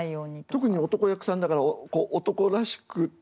特に男役さんだから男らしく。